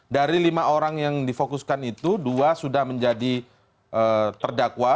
dari lima orang yang difokuskan itu dua sudah menjadi terdakwa